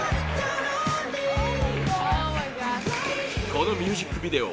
このミュージックビデオ